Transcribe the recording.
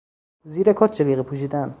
زیر کت جلیقه پوشیدن